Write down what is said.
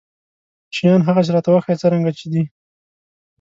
شيان هغسې راته وښايه څرنګه چې دي.